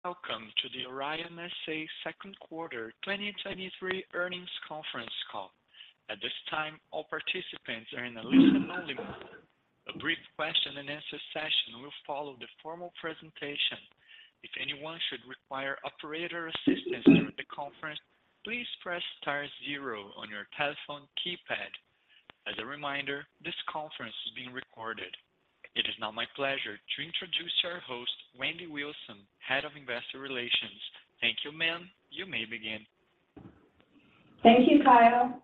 Welcome to the Orion S.A. second quarter 2023 earnings conference call. At this time, all participants are in a listen-only mode. A brief question and answer session will follow the formal presentation. If anyone should require operator assistance during the conference, please press star zero on your telephone keypad. As a reminder, this conference is being recorded. It is now my pleasure to introduce our host, Wendy Wilson, Head of Investor Relations. Thank you, ma'am. You may begin. Thank you, Kyle.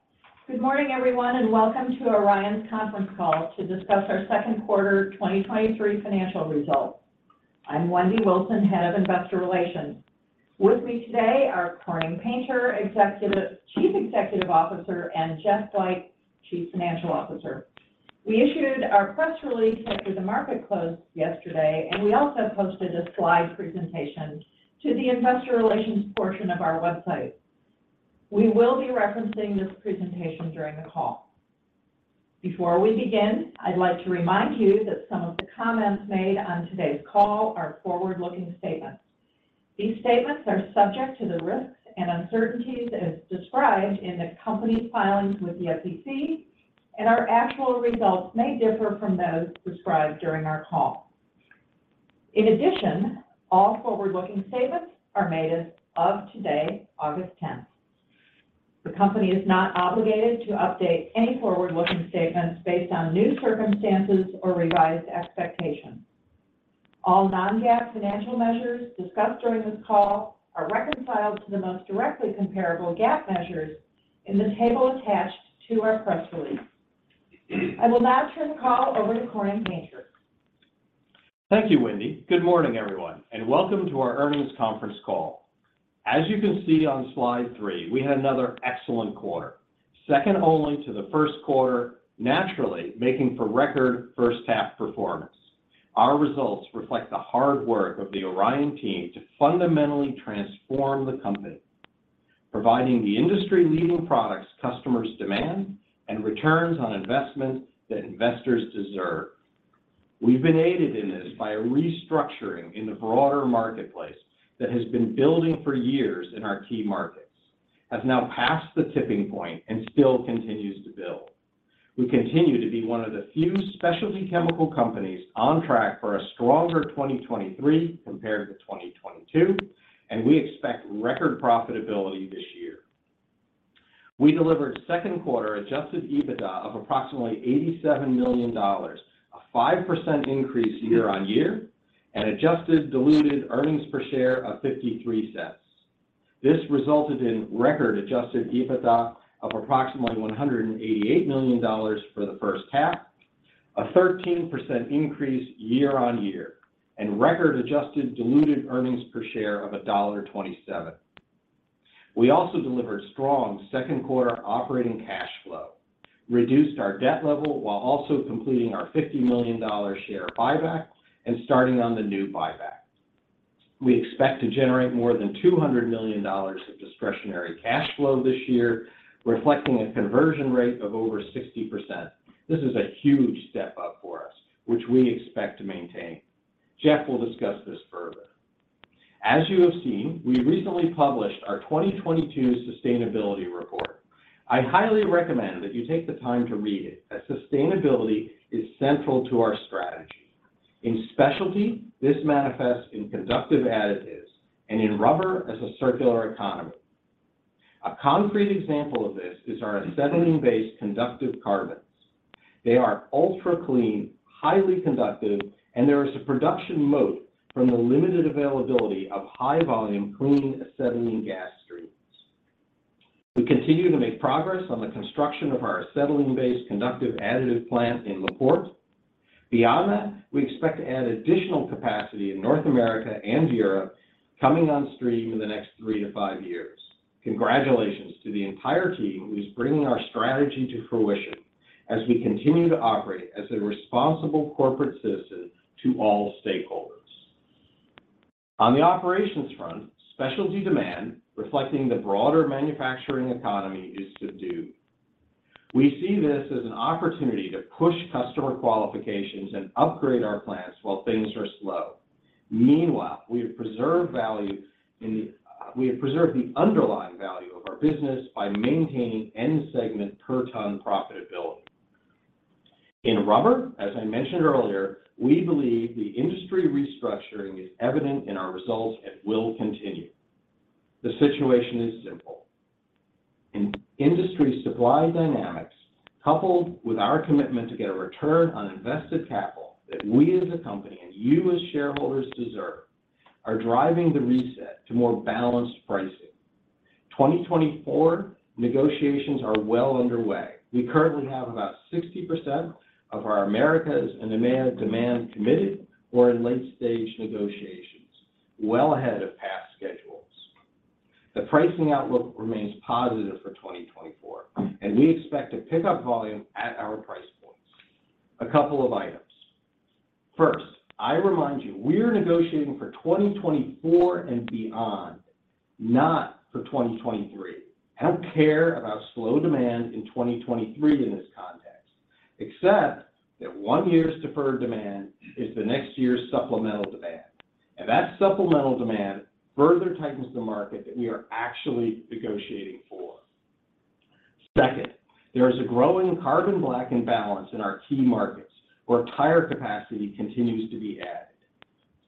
Good morning, everyone, and welcome to Orion's conference call to discuss our second quarter 2023 financial results. I'm Wendy Wilson, Head of Investor Relations. With me today are Corning Painter, Chief Executive Officer, and Jeff Glajch, Chief Financial Officer. We issued our press release after the market closed yesterday, and we also posted a slide presentation to the investor relations portion of our website. We will be referencing this presentation during the call. Before we begin, I'd like to remind you that some of the comments made on today's call are forward-looking statements. These statements are subject to the risks and uncertainties as described in the company's filings with the SEC, and our actual results may differ from those described during our call. In addition, all forward-looking statements are made as of today, August 10th. The company is not obligated to update any forward-looking statements based on new circumstances or revised expectations. All non-GAAP financial measures discussed during this call are reconciled to the most directly comparable GAAP measures in the table attached to our press release. I will now turn the call over to Corning Painter. Thank you, Wendy. Good morning, everyone, welcome to our earnings conference call. As you can see on slide three, we had another excellent quarter, second only to the first quarter, naturally making for record first-half performance. Our results reflect the hard work of the Orion team to fundamentally transform the company, providing the industry-leading products customers demand and returns on investment that investors deserve. We've been aided in this by a restructuring in the broader marketplace that has been building for years in our key markets, has now passed the tipping point and still continues to build. We continue to be one of the few specialty chemical companies on track for a stronger 2023 compared to 2022, and we expect record profitability this year. We delivered second quarter adjusted EBITDA of approximately $87 million, a 5% increase year-on-year, and adjusted diluted earnings per share of $0.53. This resulted in record adjusted EBITDA of approximately $188 million for the first half, a 13% increase year-on-year, and record adjusted diluted earnings per share of $1.27. We also delivered strong second quarter operating cash flow, reduced our debt level while also completing our $50 million share buyback and starting on the new buyback. We expect to generate more than $200 million of discretionary cash flow this year, reflecting a conversion rate of over 60%. This is a huge step up for us, which we expect to maintain. Jeff will discuss this further. As you have seen, we recently published our 2022 sustainability report. I highly recommend that you take the time to read it, as sustainability is central to our strategy. In specialty, this manifests in conductive additives and in rubber as a circular economy. A concrete example of this is our acetylene-based conductive additives. They are ultra-clean, highly conductive, and there is a production moat from the limited availability of high-volume clean acetylene gas streams. We continue to make progress on the construction of our acetylene-based conductive additive plant in LaPorte. Beyond that, we expect to add additional capacity in North America and Europe coming on stream in the next 3-5 years. Congratulations to the entire team who is bringing our strategy to fruition as we continue to operate as a responsible corporate citizen to all stakeholders. On the operations front, specialty demand, reflecting the broader manufacturing economy, is subdued. We see this as an opportunity to push customer qualifications and upgrade our plans while things are slow. Meanwhile, we have preserved the underlying value of our business by maintaining end segment per ton profitability. In rubber, as I mentioned earlier, we believe the industry restructuring is evident in our results and will continue. The situation is simple: industry supply dynamics, coupled with our commitment to get a return on invested capital that we as a company and you as shareholders deserve, are driving the reset to more balanced pricing. 2024 negotiations are well underway. We currently have about 60% of our Americas demand committed or in late-stage negotiations, well ahead of past schedules. The pricing outlook remains positive for 2024. We expect to pick up volume at our price points. A couple of items. First, I remind you, we're negotiating for 2024 and beyond, not for 2023. I don't care about slow demand in 2023 in this context. Except that one year's deferred demand is the next year's supplemental demand, that supplemental demand further tightens the market that we are actually negotiating for. Second, there is a growing carbon black imbalance in our key markets, where tire capacity continues to be added.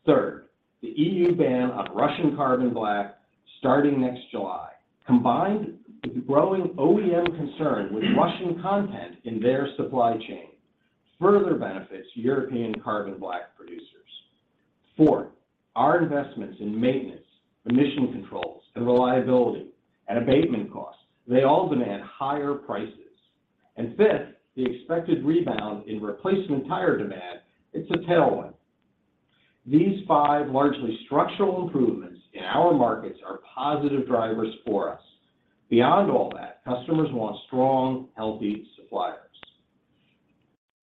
Third, the EU ban on Russian carbon black starting next July, combined with the growing OEM concern with Russian content in their supply chain, further benefits European carbon black producers. Four, our investments in maintenance, emission controls, and reliability, and abatement costs, they all demand higher prices. Fifth, the expected rebound in replacement tire demand, it's a tailwind. These five largely structural improvements in our markets are positive drivers for us. Beyond all that, customers want strong, healthy suppliers.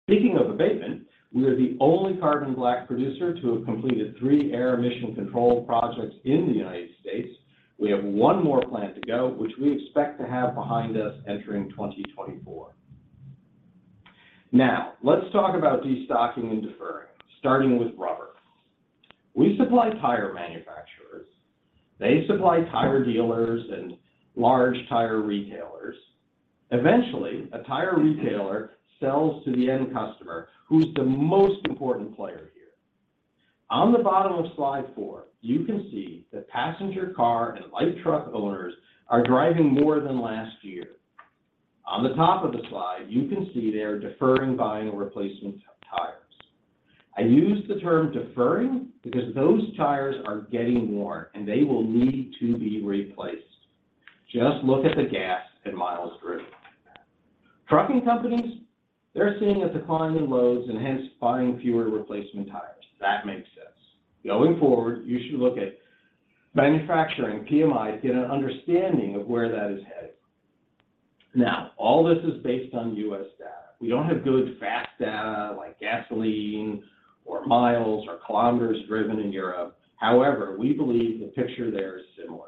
Speaking of abatement, we are the only carbon black producer to have completed three air emission control projects in the United States. We have one more plant to go, which we expect to have behind us entering 2024. Now, let's talk about destocking and deferring, starting with rubber. We supply tire manufacturers. They supply tire dealers and large tire retailers. Eventually, a tire retailer sells to the end customer, who's the most important player here. On the bottom of slide four, you can see that passenger car and light truck owners are driving more than last year. On the top of the slide, you can see they are deferring buying replacement tires. I use the term deferring because those tires are getting worn, and they will need to be replaced. Just look at the gas and miles driven. Trucking companies, they're seeing a decline in loads and hence buying fewer replacement tires. That makes sense. Going forward, you should look at manufacturing PMIs to get an understanding of where that is headed. Now, all this is based on U.S. data. We don't have good, fast data like gasoline or miles or kilometers driven in Europe. However, we believe the picture there is similar.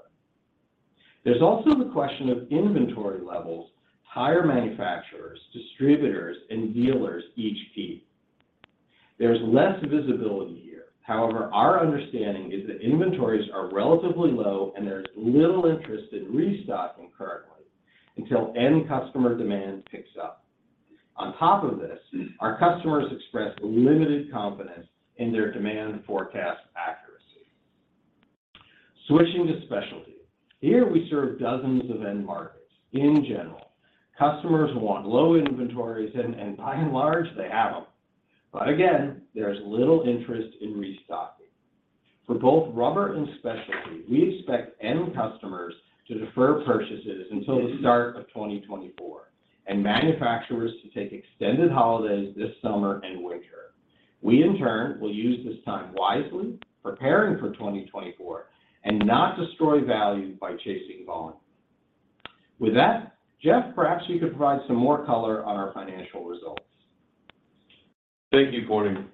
There's also the question of inventory levels, tire manufacturers, distributors, and dealers each keep. There's less visibility here. However, our understanding is that inventories are relatively low and there is little interest in restocking currently until end customer demand picks up. On top of this, our customers express limited confidence in their demand forecast accuracy. Switching to specialty. Here we serve dozens of end markets. In general, customers want low inventories, and by and large, they have them. Again, there's little interest in restocking. For both rubber and specialty, we expect end customers to defer purchases until the start of 2024, and manufacturers to take extended holidays this summer and winter. We, in turn, will use this time wisely, preparing for 2024, and not destroy value by chasing volume. With that, Jeff, perhaps you could provide some more color on our financial results. Thank you, Corning.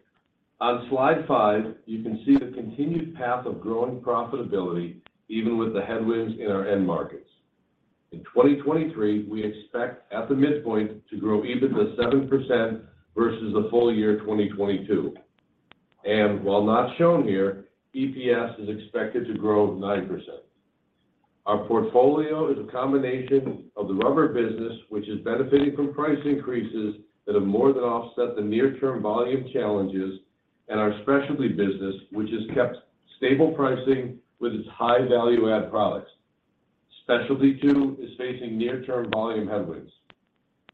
On slide five, you can see the continued path of growing profitability, even with the headwinds in our end markets. In 2023, we expect at the midpoint to grow EBITDA 7% versus the full year 2022. While not shown here, EPS is expected to grow 9%. Our portfolio is a combination of the rubber business, which is benefiting from price increases that have more than offset the near-term volume challenges, and our specialty business, which has kept stable pricing with its high value add products. Specialty, too, is facing near-term volume headwinds,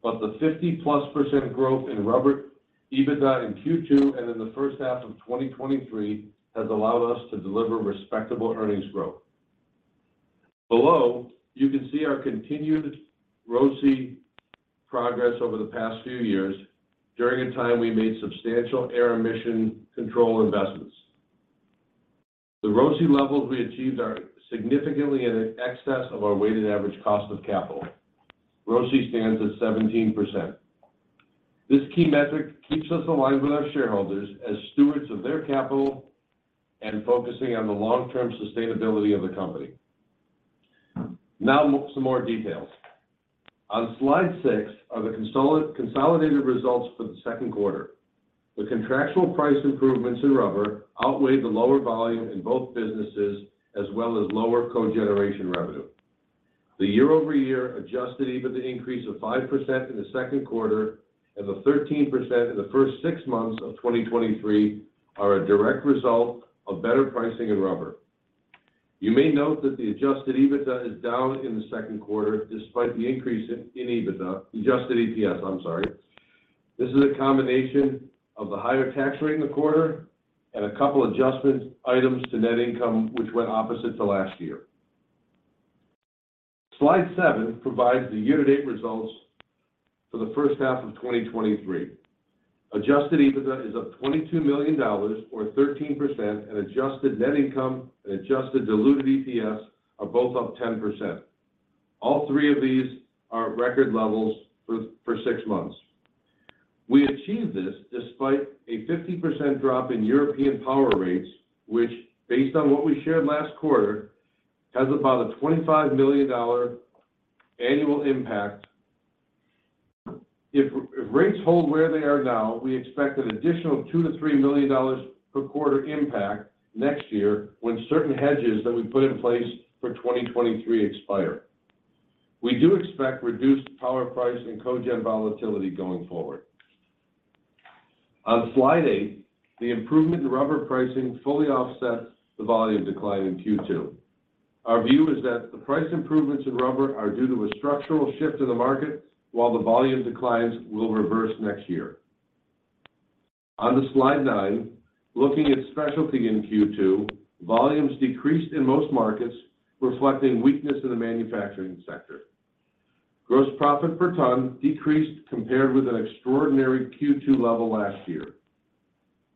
the +50% growth in rubber EBITDA in Q2 and in the first half of 2023 has allowed us to deliver respectable earnings growth. Below, you can see our continued ROCE progress over the past few years during a time we made substantial air emission control investments. The ROCE levels we achieved are significantly in excess of our weighted average cost of capital. ROCE stands at 17%. This key metric keeps us aligned with our shareholders as stewards of their capital and focusing on the long-term sustainability of the company. Now, some more details. On slide six are the consolidated results for the second quarter. The contractual price improvements in rubber outweighed the lower volume in both businesses, as well as lower cogeneration revenue. The year-over-year adjusted EBITDA increase of 5% in the second quarter and the 13% in the first six months of 2023, are a direct result of better pricing in rubber. You may note that the adjusted EBITDA is down in the second quarter despite the increase in adjusted EPS, I'm sorry. This is a combination of the higher tax rate in the quarter and a couple adjustment items to net income, which went opposite to last year. Slide seven provides the year-to-date results for the first half of 2023. Adjusted EBITDA is up $22 million or 13%, and adjusted net income and adjusted diluted EPS are both up 10%. All three of these are record levels for six months. We achieved this despite a 50% drop in European power rates, which, based on what we shared last quarter, has about a $25 million annual impact. If rates hold where they are now, we expect an additional $2 million-$3 million per quarter impact next year, when certain hedges that we put in place for 2023 expire. We do expect reduced power price and cogen volatility going forward. On slide eight, the improvement in rubber pricing fully offsets the volume decline in Q2. Our view is that the price improvements in rubber are due to a structural shift in the market, while the volume declines will reverse next year. On to slide nine, looking at specialty in Q2, volumes decreased in most markets, reflecting weakness in the manufacturing sector. Gross profit per ton decreased compared with an extraordinary Q2 level last year.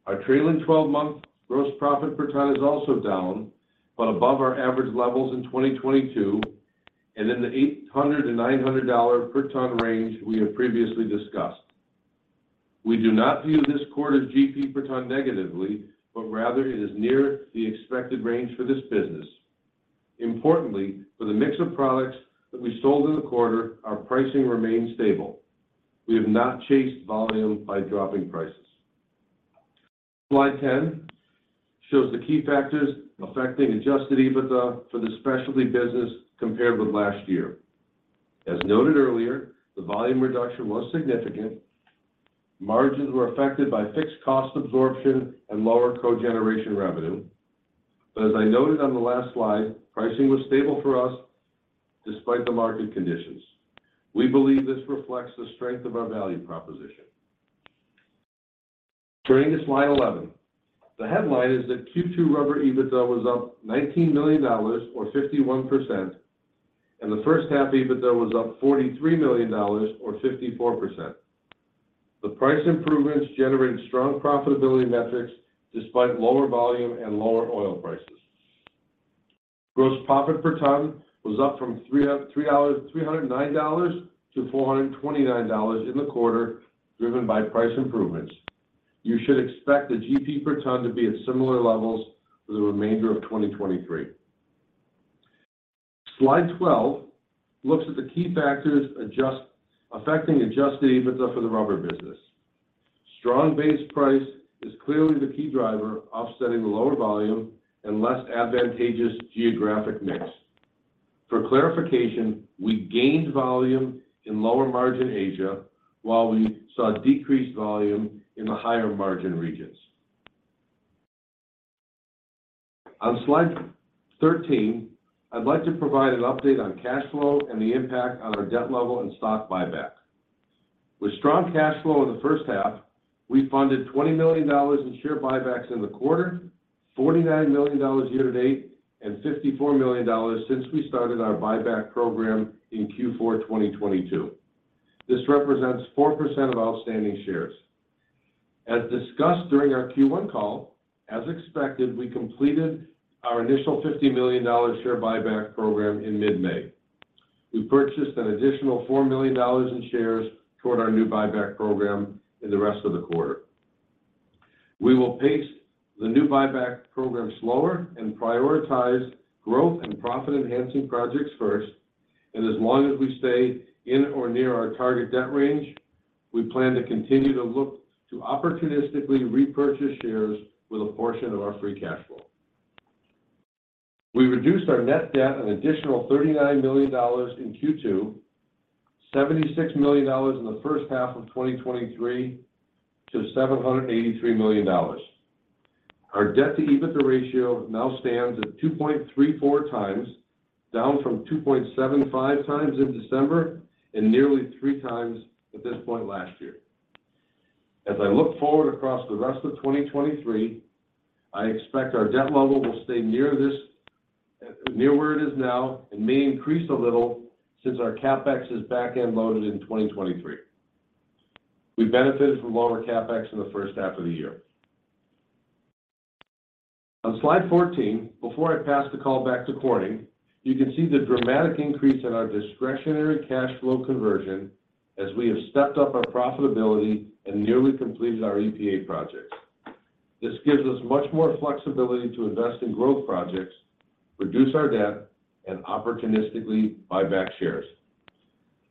Our trailing twelve-month Gross profit per ton is also down, but above our average levels in 2022 and in the $800-$900 per ton range we have previously discussed. We do not view this quarter's GP per ton negatively, but rather it is near the expected range for this business. Importantly, for the mix of products that we sold in the quarter, our pricing remained stable. We have not chased volume by dropping prices. Slide 10 shows the key factors affecting adjusted EBITDA for the specialty business compared with last year. As noted earlier, the volume reduction was significant. Margins were affected by fixed cost absorption and lower cogeneration revenue. As I noted on the last slide, pricing was stable for us despite the market conditions. We believe this reflects the strength of our value proposition. Turning to slide 11, the headline is that Q2 rubber EBITDA was up $19 million or 51%, and the first half EBITDA was up $43 million or 54%. The price improvements generated strong profitability metrics despite lower volume and lower oil prices. Gross profit per ton was up from $309 to $429 in the quarter, driven by price improvements. You should expect the GP per ton to be at similar levels for the remainder of 2023. Slide 12 looks at the key factors affecting adjusted EBITDA for the rubber business. Strong base price is clearly the key driver, offsetting the lower volume and less advantageous geographic mix. For clarification, we gained volume in lower margin Asia, while we saw decreased volume in the higher margin regions. On slide 13, I'd like to provide an update on cash flow and the impact on our debt level and stock buyback. With strong cash flow in the first half, we funded $20 million in share buybacks in the quarter, $49 million year-to-date, and $54 million since we started our buyback program in Q4 2022. This represents 4% of outstanding shares. As discussed during our Q1 call, as expected, we completed our initial $50 million share buyback program in mid-May. We purchased an additional $4 million in shares toward our new buyback program in the rest of the quarter. We will pace the new buyback program slower and prioritize growth and profit-enhancing projects first, and as long as we stay in or near our target debt range, we plan to continue to look to opportunistically repurchase shares with a portion of our free cash flow. We reduced our net debt an additional $39 million in Q2, $76 million in the first half of 2023 to $783 million. Our debt-to-EBITDA ratio now stands at 2.34 times, down from 2.75 times in December and nearly 3 times at this point last year. As I look forward across the rest of 2023, I expect our debt level will stay near this, near where it is now and may increase a little, since our CapEx is back-end loaded in 2023. We benefited from lower CapEx in the first half of the year. On slide 14, before I pass the call back to Corning, you can see the dramatic increase in our discretionary cash flow conversion as we have stepped up our profitability and nearly completed our EPA projects. This gives us much more flexibility to invest in growth projects, reduce our debt, and opportunistically buy back shares.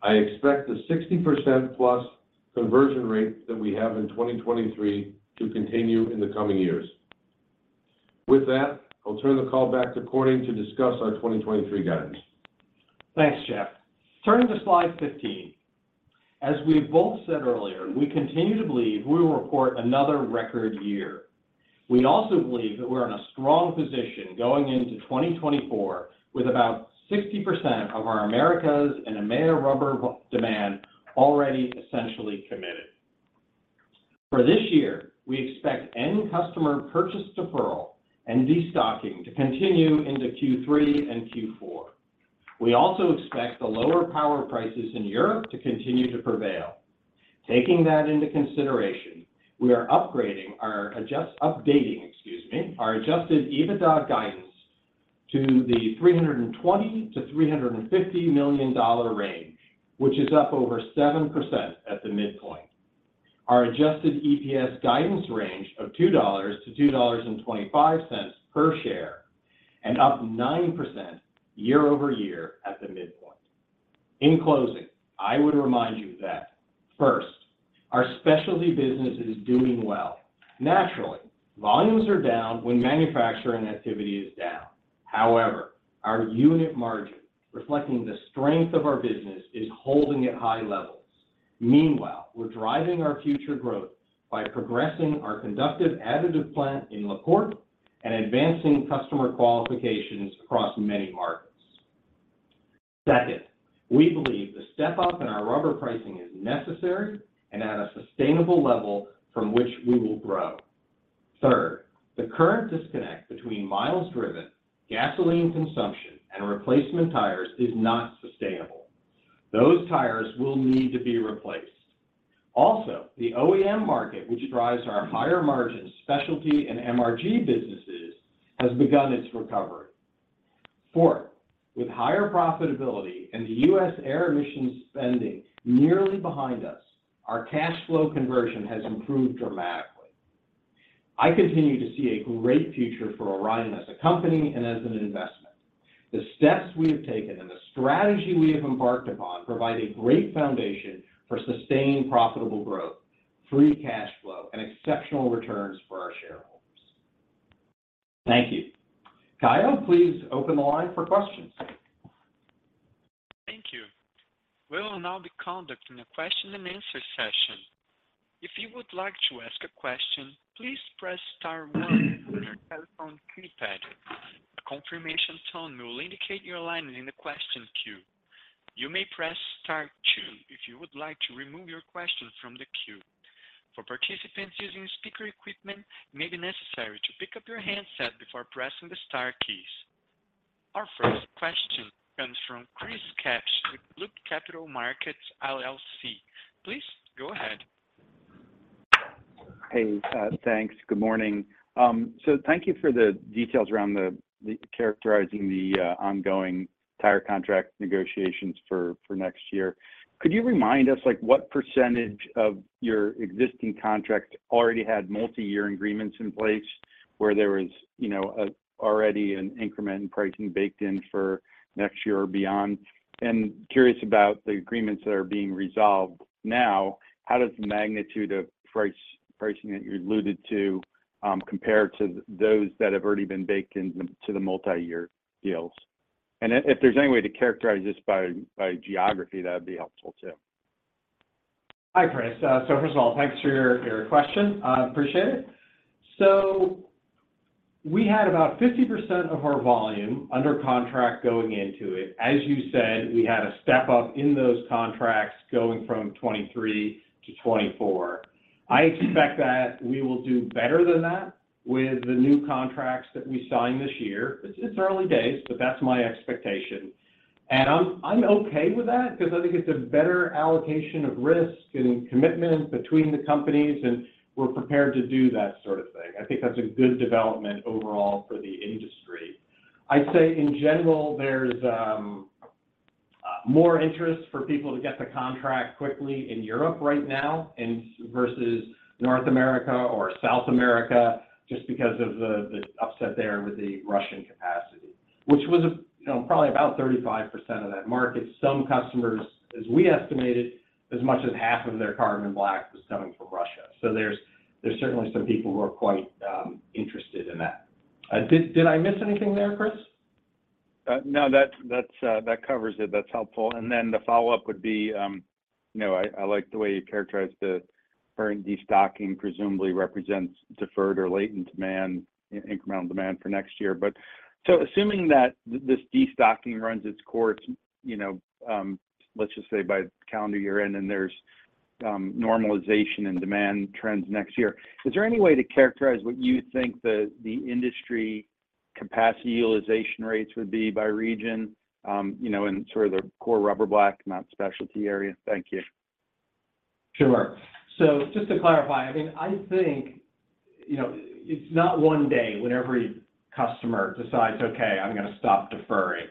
I expect the 60%+ conversion rate that we have in 2023 to continue in the coming years. That, I'll turn the call back to Corning to discuss our 2023 guidance. Thanks, Jeff. Turning to slide 15, as we both said earlier, we continue to believe we will report another record year. We also believe that we're in a strong position going into 2024, with about 60% of our Americas and EMEA rubber demand already essentially committed. For this year, we expect end customer purchase deferral and destocking to continue into Q3 and Q4. We also expect the lower power prices in Europe to continue to prevail. Taking that into consideration, we are updating, excuse me, our adjusted EBITDA guidance to the $320 million-$350 million range, which is up over 7% at the midpoint. Our adjusted EPS guidance range of $2.00-$2.25 per share, up 9% year-over-year at the midpoint. In closing, I would remind you that first, our specialty business is doing well. Naturally, volumes are down when manufacturing activity is down. However, our unit margin, reflecting the strength of our business, is holding at high levels. Meanwhile, we're driving our future growth by progressing our conductive additive plant in LaPorte and advancing customer qualifications across many markets. Second, we believe the step-up in our rubber pricing is necessary and at a sustainable level from which we will grow. Third, the current disconnect between miles driven, gasoline consumption, and replacement tires is not sustainable. Those tires will need to be replaced. The OEM market, which drives our higher margin specialty and MRG businesses, has begun its recovery. Fourth, with higher profitability and the U.S. air emissions spending nearly behind us, our cash flow conversion has improved dramatically. I continue to see a great future for Orion as a company and as an investment. The steps we have taken and the strategy we have embarked upon provide a great foundation for sustained profitable growth, free cash flow, and exceptional returns for our shareholders. Thank you. Kyle, please open the line for questions. Thank you. We will now be conducting a question and answer session. If you would like to ask a question, please press star 1 on your telephone keypad. A confirmation tone will indicate your line in the question queue. You may press star 2 if you would like to remove your question from the queue. For participants using speaker equipment, it may be necessary to pick up your handset before pressing the star keys. Our first question comes from Christopher Kapsch with Loop Capital Markets LLC. Please go ahead. Hey, thanks. Good morning. Thank you for the details around the, the characterizing the ongoing tire contract negotiations for, for next year. Could you remind us, like, what percentage of your existing contract already had multi-year agreements in place where there was, you know, already an increment in pricing baked in for next year or beyond? Curious about the agreements that are being resolved now, how does the magnitude of price- pricing that you alluded to compare to those that have already been baked into the multi-year deals? If, if there's any way to characterize this by, by geography, that'd be helpful, too. Hi, Chris. First of all, thanks for your, your question. I appreciate it. We had about 50% of our volume under contract going into it. As you said, we had a step-up in those contracts going from 2023 to 2024. I expect that we will do better than that with the new contracts that we sign this year. It's, it's early days, but that's my expectation, and I'm, I'm okay with that because I think it's a better allocation of risk and commitment between the companies, and we're prepared to do that sort of thing. I think that's a good development overall for the industry. I'd say in general, there's more interest for people to get the contract quickly in Europe right now and versus North America or South America, just because of the, the upset there with the Russian capacity, which was, you know, probably about 35% of that market. Some customers, as we estimated, as much as 50% of their carbon black was coming from Russia. There's, there's certainly some people who are quite interested in that. Did, did I miss anything there, Chris? No, that, that's, that covers it. That's helpful. The follow-up would be, you know, I, I like the way you characterized the current destocking presumably represents deferred or latent demand, incremental demand for next year. Assuming that this destocking runs its course, you know, let's just say by calendar year-end, and there's normalization in demand trends next year, is there any way to characterize what you think the, the industry capacity utilization rates would be by region? You know, in sort of the core rubber black, not specialty area. Thank you. Sure. Just to clarify, I mean, I think, you know, it's not one day when every customer decides, "Okay, I'm gonna stop deferring."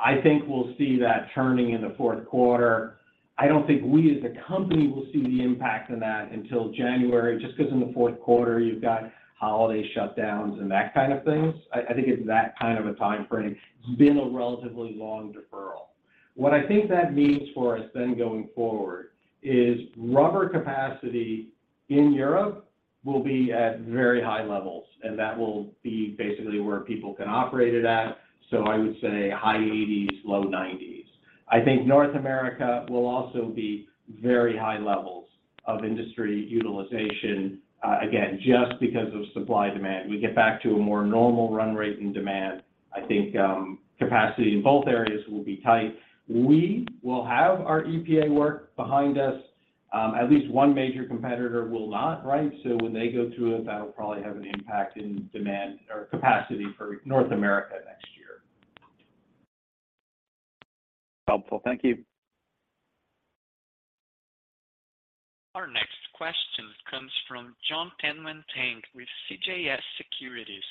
I think we'll see that turning in the fourth quarter. I don't think we, as a company, will see the impact of that until January, just because in the fourth quarter, you've got holiday shutdowns and that kind of things. I think it's that kind of a time frame. It's been a relatively long deferral. What I think that means for us then going forward is rubber capacity in Europe will be at very high levels, and that will be basically where people can operate it at. I would say high 80s, low 90s. I think North America will also be very high levels of industry utilization, again, just because of supply-demand. We get back to a more normal run rate in demand. I think, capacity in both areas will be tight. We will have our EPA work behind us. At least one major competitor will not, right? When they go through it, that'll probably have an impact in demand or capacity for North America next year. Helpful. Thank you. Our next question comes from Jon Tanwanteng with CJS Securities.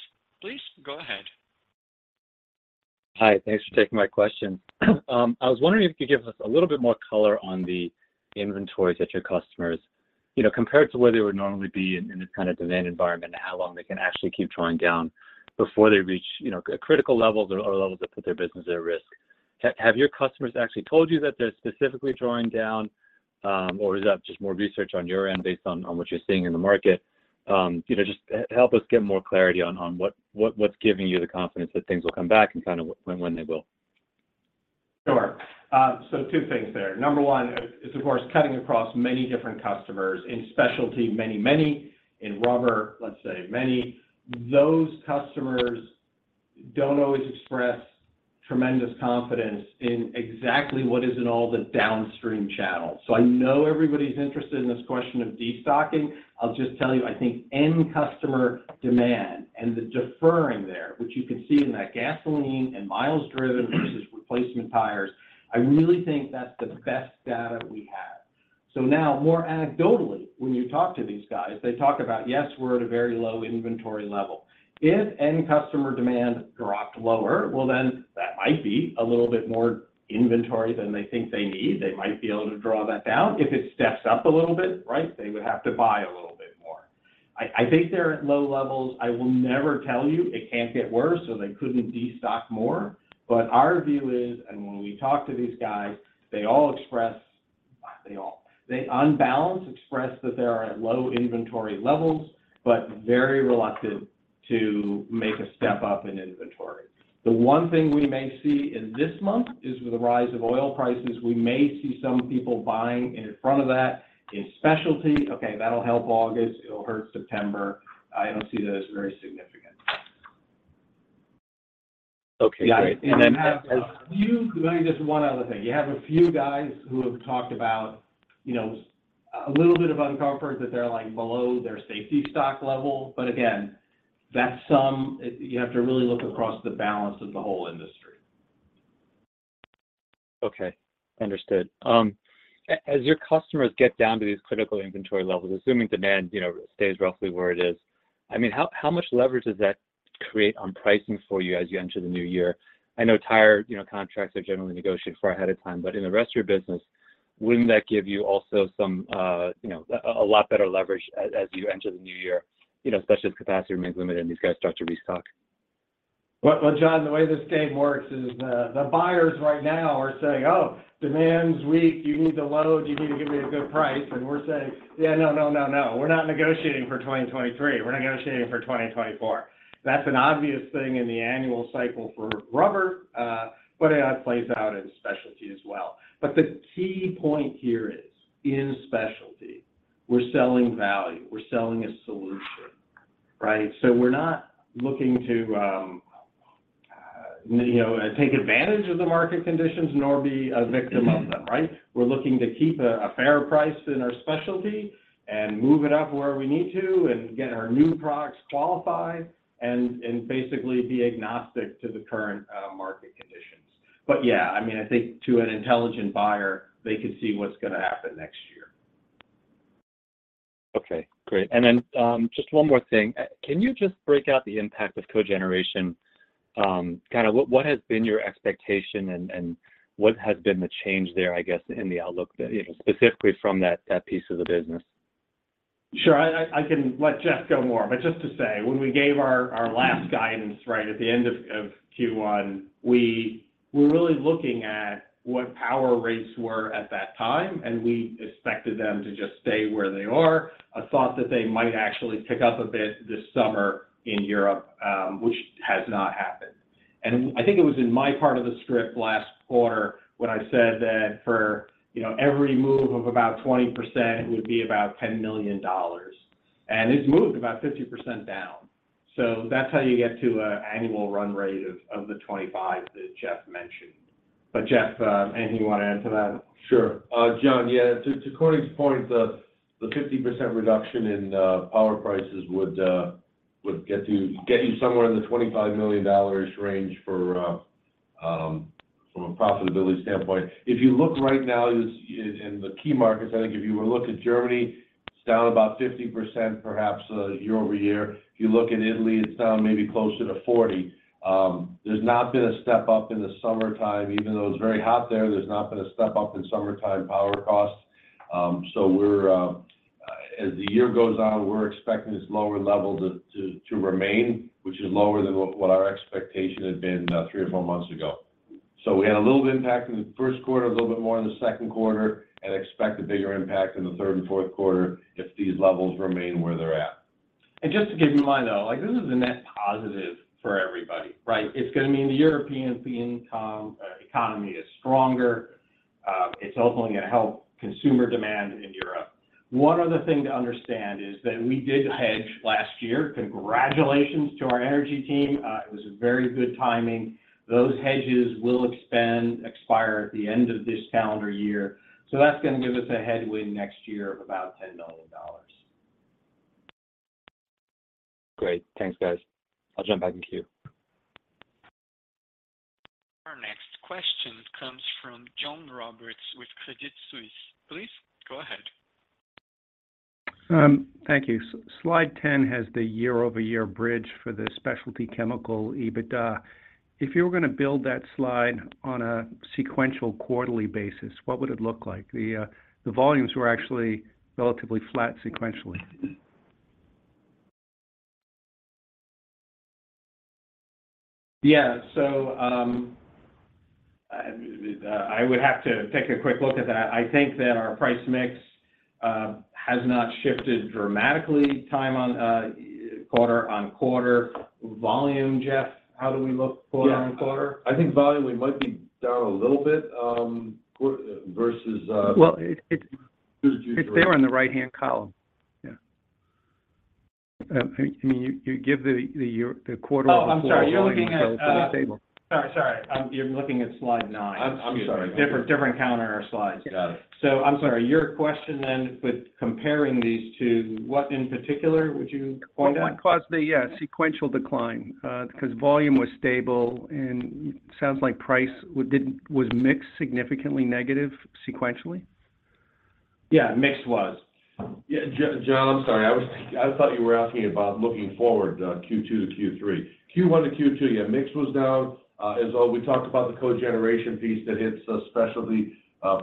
Please go ahead. Hi, thanks for taking my question. I was wondering if you could give us a little bit more color on the inventories that your customers, you know, compared to where they would normally be in, in this kind of demand environment, and how long they can actually keep drawing down before they reach, you know, a critical level or, or a level that put their business at risk. Have your customers actually told you that they're specifically drawing down, or is that just more research on your end based on, on what you're seeing in the market? You know, just help us get more clarity on, on what, what, what's giving you the confidence that things will come back and kind of when, when they will? Sure. So two things there. Number one, it's, of course, cutting across many different customers. In specialty, many, many. In rubber, let's say many. Those customers don't always express tremendous confidence in exactly what is in all the downstream channels. I know everybody's interested in this question of destocking. I'll just tell you, I think end customer demand and the deferring there, which you can see in that gasoline and miles driven versus replacement tires, I really think that's the best data we have. Now, more anecdotally, when you talk to these guys, they talk about, "Yes, we're at a very low inventory level." If end customer demand dropped lower, well, then that might be a little bit more inventory than they think they need. They might be able to draw that down. If it steps up a little bit, right, they would have to buy a little bit more. I, I think they're at low levels. I will never tell you it can't get worse, or they couldn't destock more. Our view is, and when we talk to these guys, they all express. Not they all. They unbalanced express that they are at low inventory levels, but very reluctant to make a step up in inventory. The one thing we may see in this month is, with the rise of oil prices, we may see some people buying in front of that. In specialty, okay, that'll help August. It'll hurt September. I don't see that as very significant. Okay, got it. Let me just one other thing. You have a few guys who have talked about, you know, a little bit of uncomfort, that they're, like, below their safety stock level. Again, that's some. You have to really look across the balance of the whole industry. Okay, understood. As your customers get down to these critical inventory levels, assuming demand, you know, stays roughly where it is, I mean, how, how much leverage does that create on pricing for you as you enter the new year? I know tire, you know, contracts are generally negotiated far ahead of time, but in the rest of your business, wouldn't that give you also some, you know, a lot better leverage as you enter the new year? You know, especially as capacity remains limited and these guys start to restock. Well, well, John, the way this game works is the, the buyers right now are saying, "Oh, demand's weak. You need the load. You need to give me a good price." We're saying, "Yeah, no, no, no, no. We're not negotiating for 2023. We're negotiating for 2024." That's an obvious thing in the annual cycle for rubber, but it plays out in specialty as well. The key point here is, in specialty, we're selling value. We're selling a solution, right? We're not looking to, you know, take advantage of the market conditions, nor be a victim of them, right? We're looking to keep a, a fair price in our specialty and move it up where we need to and get our new products qualified and, and basically be agnostic to the current market conditions. Yeah, I mean, I think to an intelligent buyer, they can see what's gonna happen next year. Okay, great. Just one more thing. Can you just break out the impact of cogeneration? Kind of what, what has been your expectation and what has been the change there, I guess, in the outlook that, you know, specifically from that piece of the business? Sure, I, I, I can let Jeff go more. Just to say, when we gave our, our last guidance, right, at the end of, of Q1, we were really looking at what power rates were at that time, and we expected them to just stay where they are. I thought that they might actually pick up a bit this summer in Europe, which has not happened. I think it was in my part of the script last quarter when I said that for, you know, every move of about 20% would be about $10 million, and it's moved about 50% down. That's how you get to a annual run rate of, of the $25 million that Jeff mentioned. Jeff, anything you want to add to that? Sure. Jon, yeah, to Corey's point, the 50% reduction in power prices would get you somewhere in the $25 million range for from a profitability standpoint. If you look right now in the key markets, I think if you were to look at Germany, it's down about 50%, perhaps, year over year. If you look at Italy, it's down maybe closer to 40%. There's not been a step up in the summertime. Even though it's very hot there, there's not been a step up in summertime power costs. So we're... As the year goes on, we're expecting this lower level to remain, which is lower than what our expectation had been, three or four months ago. We had a little bit of impact in the first quarter, a little bit more in the second quarter, and expect a bigger impact in the third and fourth quarter if these levels remain where they're at. Just to give you my thought, like, this is a net positive for everybody, right? It's going to mean the European economy is stronger. It's also going to help consumer demand in Europe. One other thing to understand is that we did hedge last year. Congratulations to our energy team. It was a very good timing. Those hedges will expand, expire at the end of this calendar year, so that's going to give us a headwind next year of about $10 million. Great. Thanks, guys. I'll jump back in queue. Our next question comes from John Roberts with Credit Suisse. Please, go ahead. Thank you. Slide 10 has the year-over-year bridge for the specialty chemical EBITDA. If you were going to build that slide on a sequential quarterly basis, what would it look like? The, the volumes were actually relatively flat sequentially. Yeah. I would have to take a quick look at that. I think that our price mix has not shifted dramatically time on quarter-on-quarter. Volume, Jeff, how do we look quarter-on-quarter? Yeah. I think volume, we might be down a little bit, versus. Well, it's there on the right-hand column. Yeah. I mean, you give the quarter-over-quarter- Oh, I'm sorry. You're looking at. volume in the table. Sorry, sorry, you're looking at slide 9. I'm, I'm sorry. Different, different counter or slides. Got it. I'm sorry, your question then, with comparing these two, what in particular would you point out? What, what caused the, yeah, sequential decline? Because volume was stable, and it sounds like price was mixed significantly negative sequentially. Yeah, mix was. Yeah. Jeff, John, I'm sorry. I thought you were asking about looking forward, Q2 to Q3. Q1 to Q2, yeah, mix was down. As well, we talked about the cogeneration piece that hits us specialty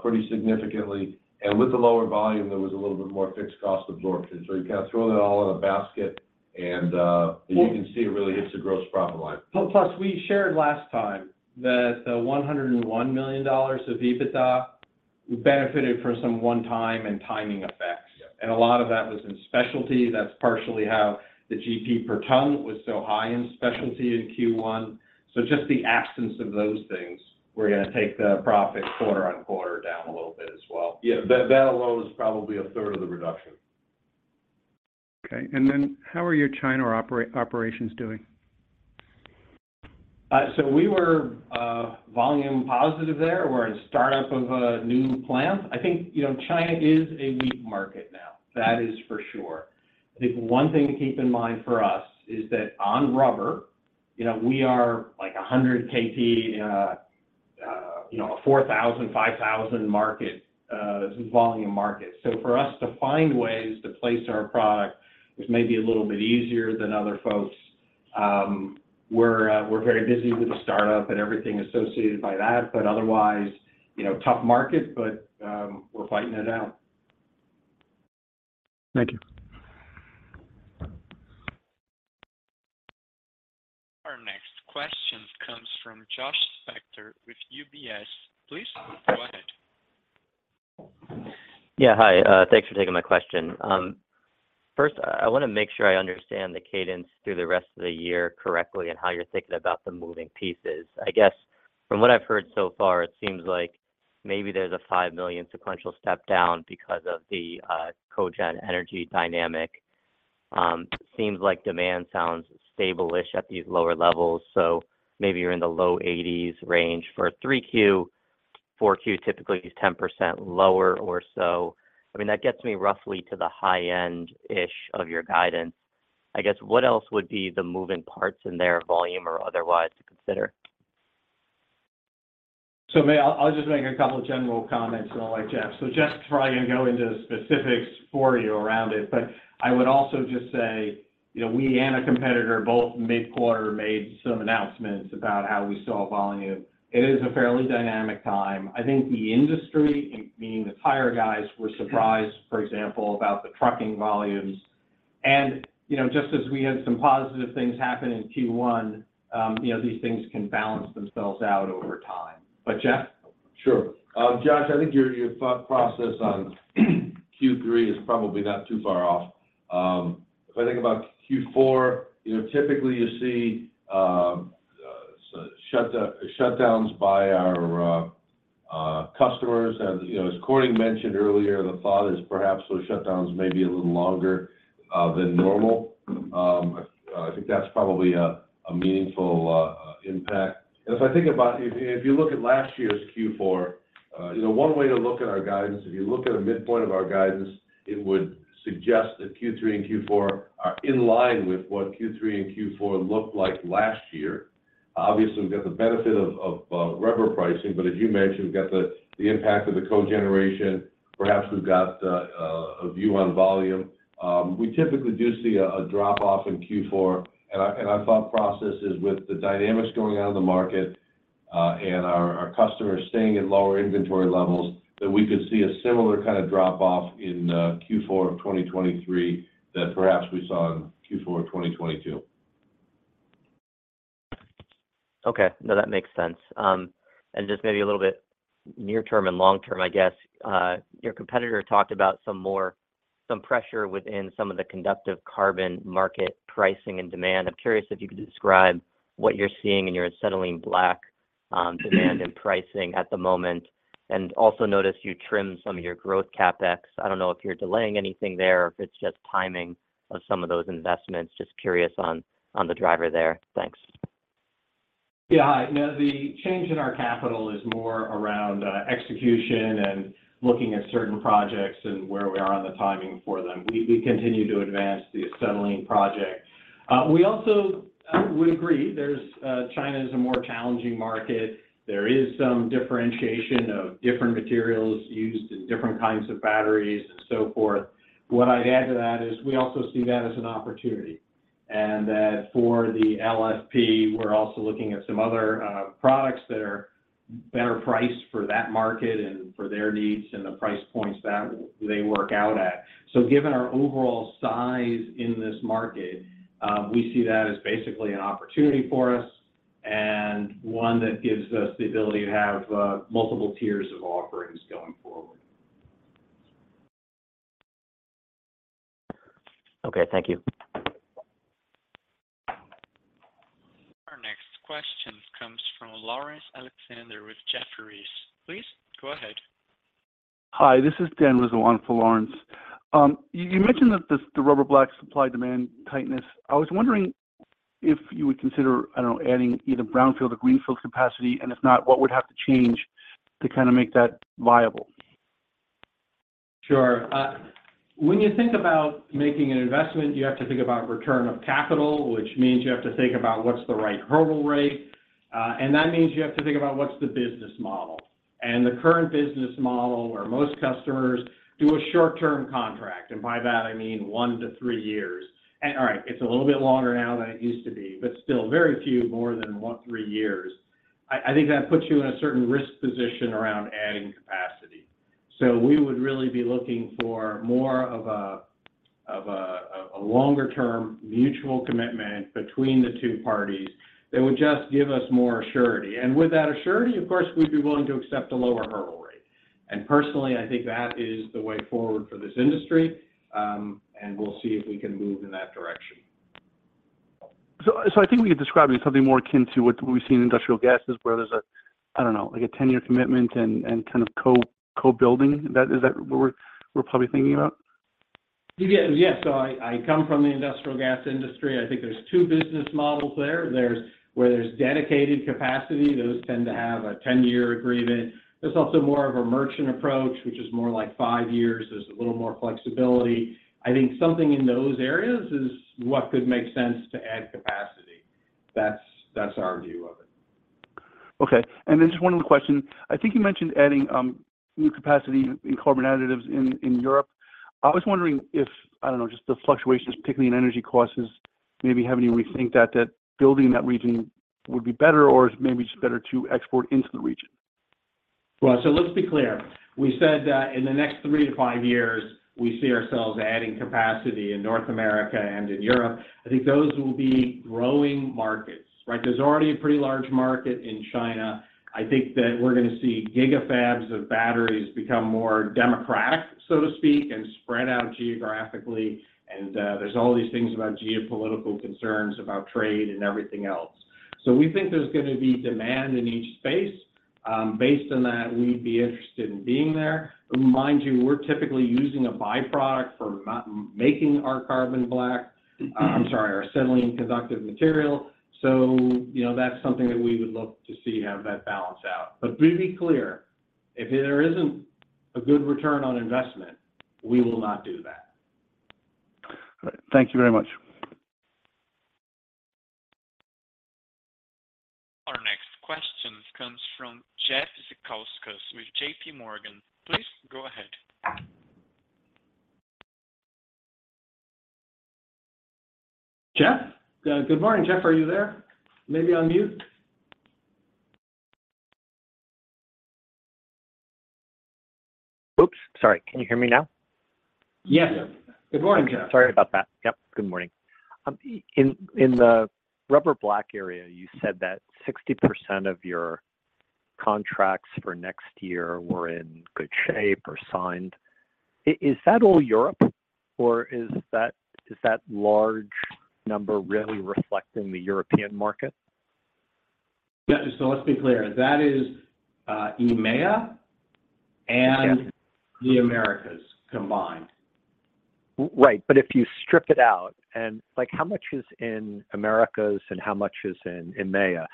pretty significantly, and with the lower volume, there was a little bit more fixed cost absorption. You kind of throw that all in a basket, and. Well- as you can see, it really hits the gross profit line. Plus, we shared last time that the $101 million of EBITDA benefited from some one-time and timing effects. Yeah. A lot of that was in specialty. That's partially how the GP per ton was so high in specialty in Q1. Just the absence of those things, we're going to take the profit quarter-on-quarter down a little bit as well. Yeah, that, that alone is probably a third of the reduction. Okay. Then how are your China operations doing? We were volume positive there. We're in startup of a new plant. I think, you know, China is a weak market now. That is for sure. I think one thing to keep in mind for us is that on rubber, you know, we are like 100 KT, you know, a 4,000, 5,000 market, volume market. For us to find ways to place our product is maybe a little bit easier than other folks. We're very busy with the startup and everything associated by that, but otherwise, you know, tough market, but, we're fighting it out. Thank you. Our next question comes from Josh Spector with UBS. Please go ahead. Yeah, hi, thanks for taking my question. First, I, I want to make sure I understand the cadence through the rest of the year correctly and how you're thinking about the moving pieces. I guess from what I've heard so far, it seems like maybe there's a $5 million sequential step down because of the cogen energy dynamic. Seems like demand sounds stable-ish at these lower levels, so maybe you're in the low $80 million range for 3Q. 4Q, typically is 10% lower or so. I mean, that gets me roughly to the high-end-ish of your guidance. I guess, what else would be the moving parts in there, volume or otherwise, to consider? May I... I'll just make a couple of general comments and I'll let Jeff. Jeff will probably go into the specifics for you around it, but I would also just say, you know, we and a competitor, both mid-quarter, made some announcements about how we saw volume. It is a fairly dynamic time. I think the industry, including the tire guys, were surprised, for example, about the trucking volumes. You know, just as we had some positive things happen in Q1, you know, these things can balance themselves out over time. Jeff? Sure. Josh, I think your, your thought process on Q3 is probably not too far off. If I think about Q4, you know, typically you see shutdowns by our customers. You know, as Courtney mentioned earlier, the thought is perhaps those shutdowns may be a little longer than normal. I think that's probably a meaningful impact. If I think about if, if you look at last year's Q4, you know, one way to look at our guidance, if you look at the midpoint of our guidance, it would suggest that Q3 and Q4 are in line with what Q3 and Q4 looked like last year. Obviously, we've got the benefit of rubber pricing, but as you mentioned, we've got the impact of the cogeneration. Perhaps we've got a, a view on volume. We typically do see a, a drop-off in Q4, and I, and I thought process is with the dynamics going on in the market, and our, our customers staying at lower inventory levels, that we could see a similar kind of drop-off in Q4 of 2023, that perhaps we saw in Q4 of 2022. Okay. No, that makes sense. Just maybe a little bit near term and long term, I guess. Your competitor talked about some pressure within some of the conductive carbon market pricing and demand. I'm curious if you could describe what you're seeing in your acetylene black demand. Mm-hmm... and pricing at the moment, and also notice you trimmed some of your growth CapEx. I don't know if you're delaying anything there or if it's just timing of some of those investments. Just curious on the driver there. Thanks. Yeah. No, the change in our capital is more around execution and looking at certain projects and where we are on the timing for them. We, we continue to advance the acetylene project. We also would agree there's China is a more challenging market. There is some differentiation of different materials used in different kinds of batteries and so forth. What I'd add to that is we also see that as an opportunity, and that for the LFP, we're also looking at some other products that are better priced for that market and for their needs and the price points that they work out at. Given our overall size in this market, we see that as basically an opportunity for us, and one that gives us the ability to have multiple tiers of offerings going forward. Okay, thank you. Our next question comes from Laurence Alexander with Jefferies. Please, go ahead. Hi, this is Daniel Rizzo in for Laurence. You, you mentioned that the, the carbon black supply-demand tightness. I was wondering if you would consider, I don't know, adding either brownfield or greenfield capacity, and if not, what would have to change to kind of make that viable? Sure. When you think about making an investment, you have to think about return of capital, which means you have to think about what's the right hurdle rate. That means you have to think about what's the business model. The current business model, where most customers do a short-term contract, and by that I mean 1 to 3 years. All right, it's a little bit longer now than it used to be, but still very few more than, 1, 3 years. I, I think that puts you in a certain risk position around adding capacity. So we would really be looking for more of a, of a, a longer-term mutual commitment between the two parties that would just give us more surety. With that surety, of course, we'd be willing to accept a lower hurdle rate. Personally, I think that is the way forward for this industry, and we'll see if we can move in that direction. I think we could describe it as something more akin to what we see in industrial gases, where there's a, I don't know, like a 10-year commitment and, and kind of co- co-building. That, is that what we're, we're probably thinking about? Yeah, yes. I, I come from the industrial gas industry. I think there's two business models there. There's where there's dedicated capacity, those tend to have a 10-year agreement. There's also more of a merchant approach, which is more like five years. There's a little more flexibility. I think something in those areas is what could make sense to add capacity. That's, that's our view of it. Okay. Then just one other question. I think you mentioned adding new capacity in carbon additives in Europe. I was wondering if, I don't know, just the fluctuations, particularly in energy costs, is maybe having you rethink that, that building in that region would be better, or maybe it's better to export into the region? Let's be clear. We said that in the next three to five years, we see ourselves adding capacity in North America and in Europe. I think those will be growing markets, right? There's already a pretty large market in China. I think that we're gonna see gigafactories of batteries become more democratic, so to speak, and spread out geographically. There's all these things about geopolitical concerns, about trade and everything else. We think there's gonna be demand in each space. Based on that, we'd be interested in being there. Mind you, we're typically using a by-product for not making our carbon black. I'm sorry, our acetylene conductive material. You know, that's something that we would look to see have that balance out. To be clear, if there isn't a good return on investment, we will not do that. All right. Thank you very much. Our next question comes from Jeffrey Zekauskas with J.P. Morgan. Please, go ahead. Jeff? Good morning, Jeff. Are you there? Maybe on mute. Oops, sorry. Can you hear me now? Yes. Good morning, Jeff. Sorry about that. Yep, good morning. In, in the rubber black area, you said that 60% of your contracts for next year were in good shape or signed. Is that all Europe, or is that, is that large number really reflecting the European market? Yeah, let's be clear. That is, EMEA- Okay... and the Americas combined. Right. If you strip it out, and, like, how much is in Americas and how much is in EMEA?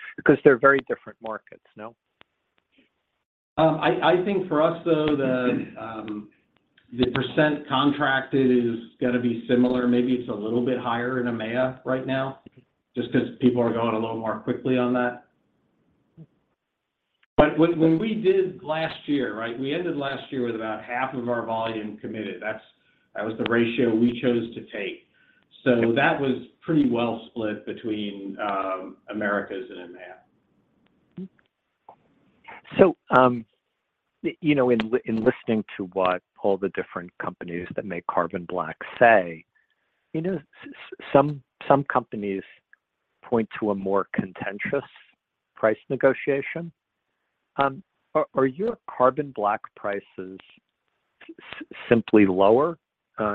They're very different markets, no? I, I think for us, though, the % contracted is going to be similar. Maybe it's a little bit higher in EMEA right now, just because people are going a little more quickly on that. When, when we did last year, we ended last year with about half of our volume committed. That was the ratio we chose to take. Okay. That was pretty well split between Americas and EMEA. you know, in listening to what all the different companies that make carbon black say, you know, some, some companies point to a more contentious price negotiation. Are, are your carbon black prices simply lower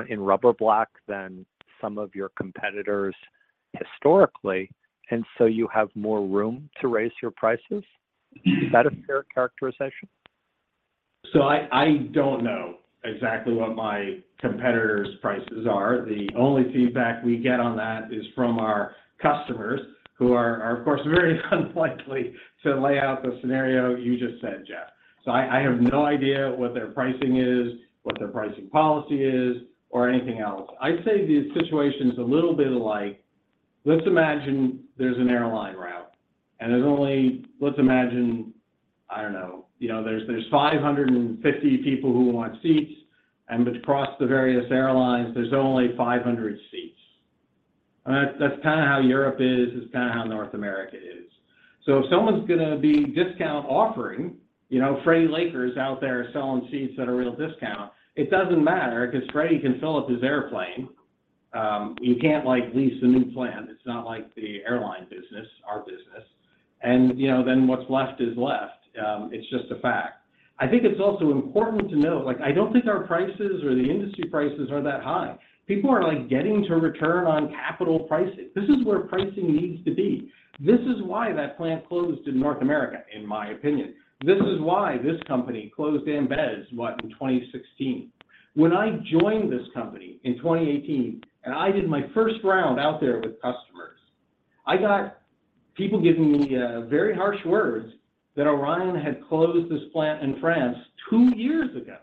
in rubber black than some of your competitors historically, and so you have more room to raise your prices? Mm-hmm. Is that a fair characterization? I, I don't know exactly what my competitors' prices are. The only feedback we get on that is from our customers, who are, are, of course, very unlikely to lay out the scenario you just said, Jeff. I, I have no idea what their pricing is, what their pricing policy is, or anything else. I'd say the situation's a little bit like, let's imagine there's an airline route, and there's only let's imagine, I don't know, you know, there's, there's 550 people who want seats, and across the various airlines, there's only 500 seats. That's, that's kind of how Europe is, it's kind of how North America is. If someone's gonna be discount offering, you know, Freddie Laker is out there selling seats at a real discount, it doesn't matter because Freddie can fill up his airplane. He can't, like, lease a new plant. It's not like the airline business, our business. You know, then what's left is left. It's just a fact. I think it's also important to note, like, I don't think our prices or the industry prices are that high. People are, like, getting to return on capital pricing. This is where pricing needs to be. This is why that plant closed in North America, in my opinion. This is why this company closed in Ambès, what, in 2016. When I joined this company in 2018, and I did my first round out there with customers, I got people giving me very harsh words that Orion had closed this plant in France two years ago,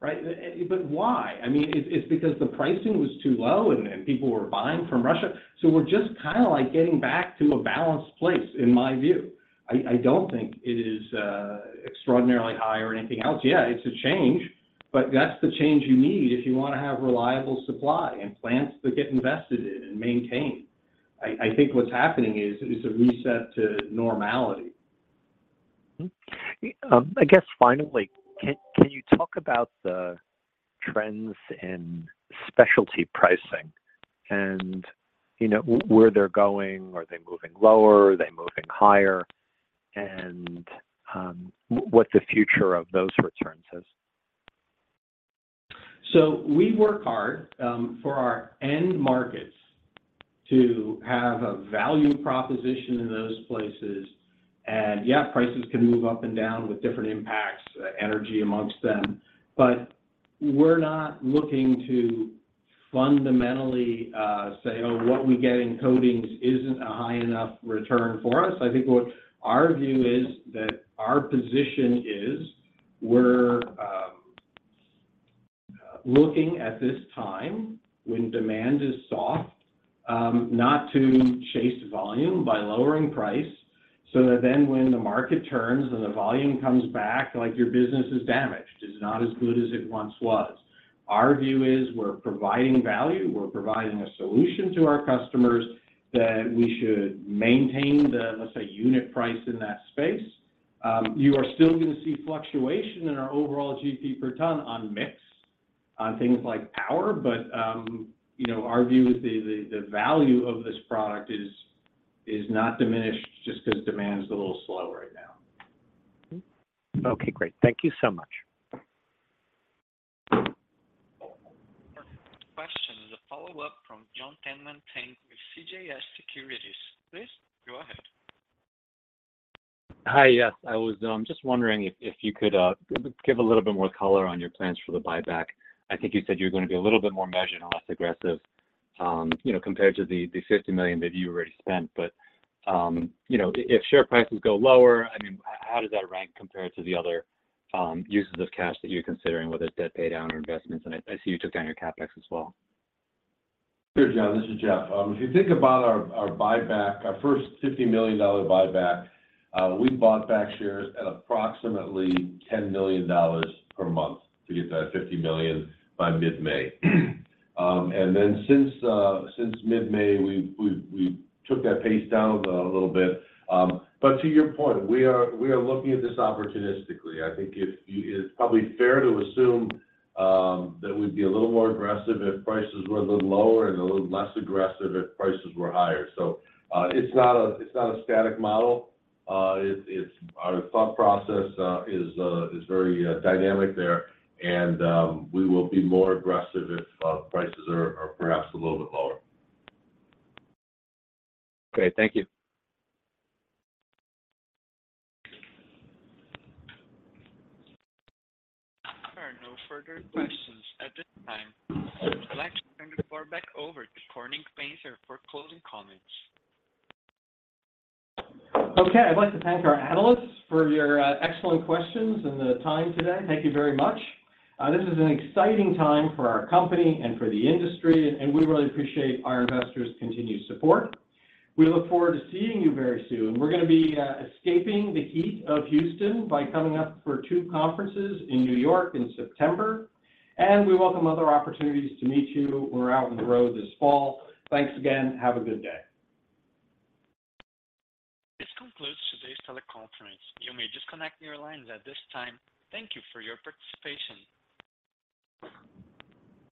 right? Why? I mean, it, it's because the pricing was too low and, and people were buying from Russia. We're just kind of, like, getting back to a balanced place, in my view. I don't think it is extraordinarily high or anything else. Yeah, it's a change, but that's the change you need if you want to have reliable supply and plants that get invested in and maintained. I think what's happening is a reset to normality. I guess finally, can, can you talk about the trends in specialty pricing and, you know, where they're going? Are they moving lower? Are they moving higher? What the future of those returns is. We work hard for our end markets to have a value proposition in those places. Yeah, prices can move up and down with different impacts, energy amongst them. We're not looking to fundamentally say, "Oh, what we get in coatings isn't a high enough return for us." I think what our view is, that our position is, we're looking at this time when demand is soft, not to chase volume by lowering price, so that then when the market turns and the volume comes back, like, your business is damaged, it's not as good as it once was. Our view is we're providing value, we're providing a solution to our customers, that we should maintain the, let's say, unit price in that space. You are still going to see fluctuation in our overall GP per ton on mix, on things like power, but, you know, our view is the, the, the value of this product is, is not diminished just because demand is a little slow right now. Mm-hmm. Okay, great. Thank you so much. Our next question is a follow-up from Jon Tanwanteng with CJS Securities. Please go ahead. Hi. Yes, I was just wondering if, if you could give a little bit more color on your plans for the buyback. I think you said you were going to be a little bit more measured and less aggressive, you know, compared to the $50 million that you already spent. You know, if share prices go lower, I mean, how does that rank compare to the other uses of cash that you're considering, whether it's debt pay down or investments? I see you took down your CapEx as well. Sure, John, this is Jeff. If you think about our buyback, our first $50 million buyback, we bought back shares at approximately $10 million per month to get to that $50 million by mid-May. Then since mid-May, we took that pace down a little bit. To your point, we are looking at this opportunistically. I think it's probably fair to assume that we'd be a little more aggressive if prices were a little lower and a little less aggressive if prices were higher. It's not a static model. It's our thought process is very dynamic there, and we will be more aggressive if prices are perhaps a little bit lower. Okay, thank you. There are no further questions at this time. I'd like to turn the floor back over to Corning Painter for closing comments. Okay, I'd like to thank our analysts for your excellent questions and the time today. Thank you very much. This is an exciting time for our company and for the industry, and we really appreciate our investors' continued support. We look forward to seeing you very soon. We're gonna be escaping the heat of Houston by coming up for two conferences in New York in September, and we welcome other opportunities to meet you. We're out on the road this fall. Thanks again. Have a good day. This concludes today's teleconference. You may disconnect your lines at this time. Thank you for your participation.